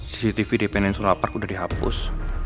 cctv di peninsula park udah dihapus